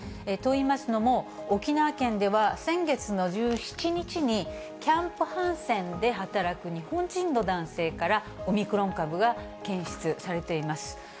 といいますのも、沖縄県では先月の１７日に、キャンプ・ハンセンで働く日本人の男性から、オミクロン株が検出されています。